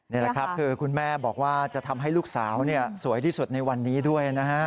นี่แหละครับคือคุณแม่บอกว่าจะทำให้ลูกสาวสวยที่สุดในวันนี้ด้วยนะฮะ